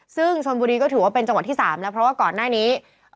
ซึ่งชนบุรีก็ถือว่าเป็นจังหวัดที่๓แล้วเพราะว่าก่อนหน้านี้